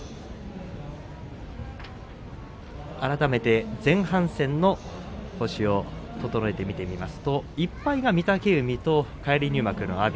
改めて前半戦の星を整えて見てみますと１敗は御嶽海と返り入幕の阿炎。